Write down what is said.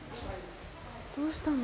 どうしたの？